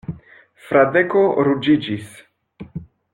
Fradeko ruĝiĝis.